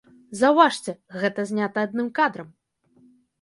Заўважце, гэта знята адным кадрам.